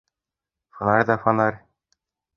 — Фонарь ҙа фонарь!